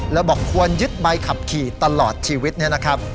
แล้วบอกควรยึดใบขับขี่ตลอดชีวิตเนี่ยนะครับ